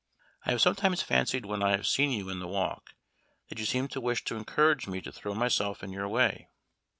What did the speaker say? I have sometimes fancied when I have seen you in the walk, that you seemed to wish to encourage me to throw myself in your way.